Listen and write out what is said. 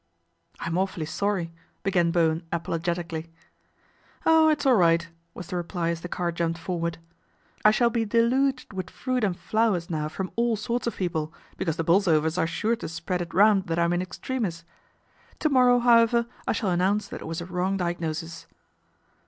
"I'm awfully sorry/' began Bowen apolo getically. " Oh, it's all right !" was the reply as the car jumped forward. " I shall be deluged with fruit and flowers now from all sorts of people, because the Bolsovers are sure to spread it round that I'm in extremis. To morrow, however, I shall an nounce that it was a wrong diagnosis."